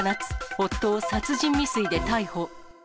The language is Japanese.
夫を殺人未遂で逮捕。